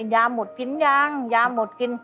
ยาหมดกินยังยาหมดกิน